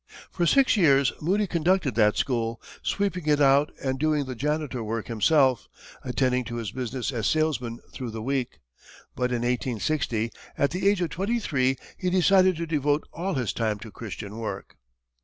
For six years, Moody conducted that school, sweeping it out and doing the janitor work himself, attending to his business as salesman throughout the week. But in 1860, at the age of twenty three, he decided to devote all his time to Christian work.